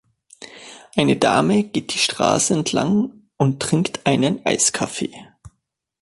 Eine Dame geht die Straße entlang und trinkt einen Eiskaffee.